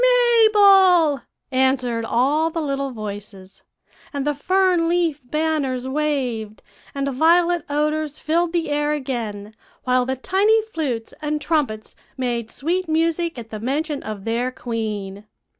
"'Mabel,' answered all the little voices; and the fern leaf banners waved, and violet odors filled the air again, while the tiny flutes and trumpets made sweet music at the mention of their queen.